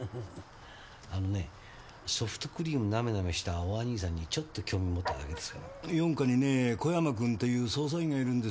あのねソフトクリームなめなめしたお兄ィさんにちょっと興味を持っただけです。四課にね小山君という捜査員がいるんですよ。